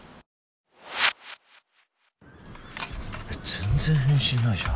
全然返信ないじゃん